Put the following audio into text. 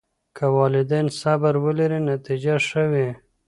که والدین صبر ولري نتیجه ښه وي.